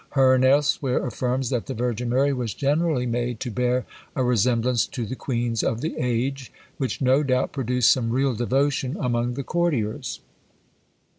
Hearne elsewhere affirms, that the Virgin Mary was generally made to bear a resemblance to the queens of the age, which, no doubt, produced some real devotion among the courtiers.